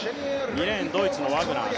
２レーン、ドイツのワグナー。